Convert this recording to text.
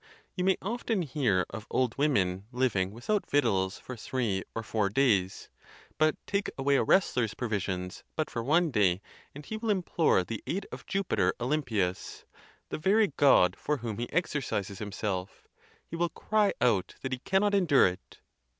You may often hear of old women living without victuals for three or four days; but take away a wrestler's provisions but for one day, and he will implore the aid of Jupiter Olympius, the very God for whom he exercises himself: he will cry out that he cannot , endure it.